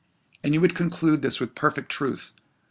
And you would conclude this with perfect truth.